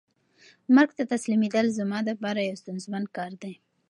مرګ ته تسلیمېدل زما د پاره یو ستونزمن کار دی.